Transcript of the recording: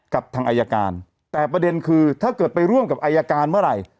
กับทางอายการแต่ประเด็นคือถ้าเกิดไปร่วมกับอายการเมื่อไหร่